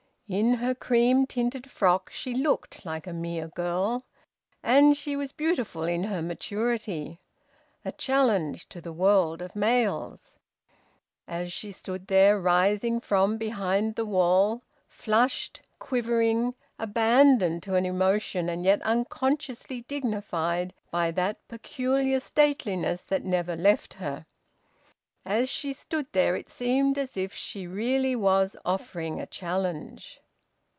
In her cream tinted frock she looked like a mere girl. And she was beautiful in her maturity; a challenge to the world of males. As she stood there, rising from behind the wall, flushed, quivering, abandoned to an emotion and yet unconsciously dignified by that peculiar stateliness that never left her as she stood there it seemed as if she really was offering a challenge.